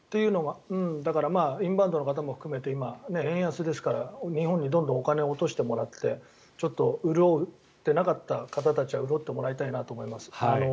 インバウンドの方も含めて今、円安ですから日本にどんどんお金を落としてもらってちょっと潤ってなかった方たちは潤ってほしいなと思います。